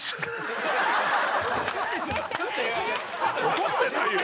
怒ってないよ。